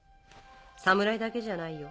侍だけじゃないよ。